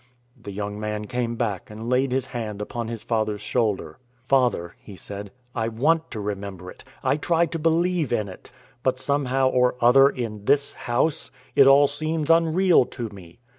The young man came back and laid his hand upon his father's shoulder. "Father," he said, "I want to remember it. I try to believe in it. But somehow or other, in this house, it all seems unreal to me.